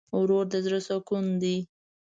ورور د زړه سکون دی.